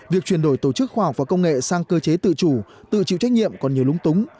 việc chuyển đổi tổ chức khoa học và công nghệ sang cơ chế tự chủ tự chịu trách nhiệm còn nhiều lúng túng